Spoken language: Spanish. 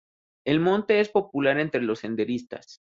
El monte es popular entre los senderistas.